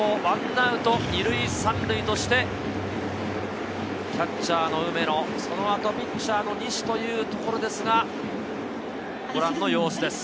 １アウト２塁３塁としてキャッチャーの梅野、その後、ピッチャーの西というところですが、ご覧の様子です。